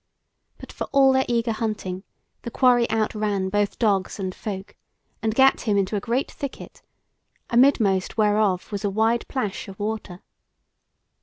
But for all their eager hunting, the quarry outran both dogs and folk, and gat him into a great thicket, amidmost whereof was a wide plash of water.